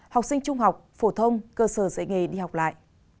học sinh trung học phổ thông cơ sở dạy nghề đi học lại